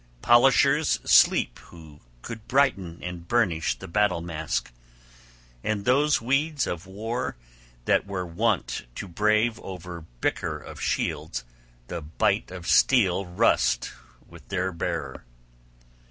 Polishers sleep who could brighten and burnish the battle mask; and those weeds of war that were wont to brave over bicker of shields the bite of steel rust with their bearer.